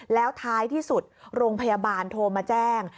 แล้วท้ายที่สุดโรงพยาบาลโทรมาแจ้ง